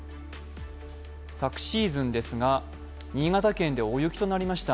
昨シーズンですが新潟県で大雪となりました。